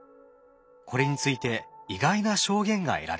これについて意外な証言が得られました。